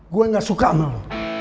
gua nggak suka melu